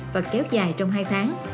và kéo dài trong hai tháng